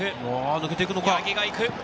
抜けていくのか。